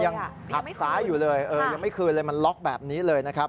หักซ้ายอยู่เลยเออยังไม่คืนเลยมันล็อกแบบนี้เลยนะครับ